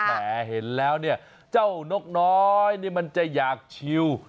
แหมเห็นแล้วเนี่ยเจ้านกน้อยนี่มันจะอยากชิว